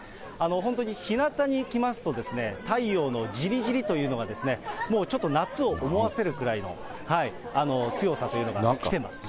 本当にひなたに行きますとですね、太陽のじりじりというのが、もう、ちょっと夏を思わせるぐらいの強さというのが来てますね。